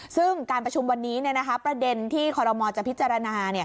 ซึ่งการประชุมวันนี้ประเด็นที่คอรมอลจะพิจารณา